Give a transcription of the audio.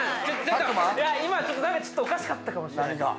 ちょっと今なんかちょっとおかしかったかもしれないです。